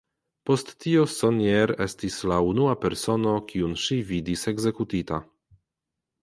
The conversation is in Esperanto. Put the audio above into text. Post tio Sonnier estis la unua persono kiun ŝi vidis ekzekutita.